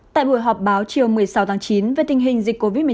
tại buổi họp báo chiều một mươi sáu tháng chín